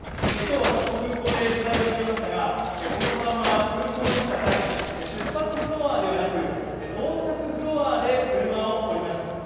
私も空港で取材をしていましたが、小室さんは空港に来た際、出発フロアではなく、到着フロアで車を降りました。